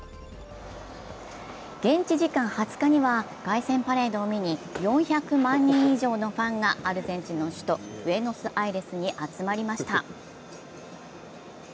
現地時間２０日には凱旋パレードを見に、４００万人以上のファンがアルゼンチンの首都ブエノスアイレスに集まりました。